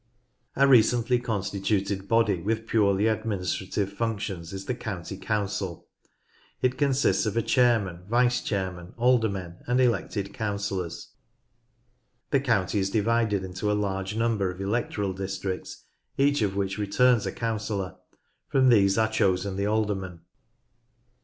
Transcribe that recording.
A recently constituted body with purely administrative functions is the County Council. It consists of a Chair man, Vice Chairman, Aldermen, and elected Councillors. The county is divided into a large number of electoral districts, each of which returns a councillor: from these are chosen the aldermen.